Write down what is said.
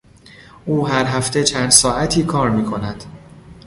او هر هفته چند ساعتی کار میکند.